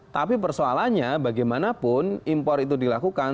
tapi persoalannya bagaimanapun impor itu dilakukan